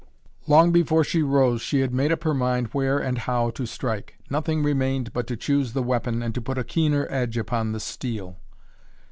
Long before she rose she had made up her mind where and how to strike. Nothing remained but to choose the weapon and to put a keener edge upon the steel.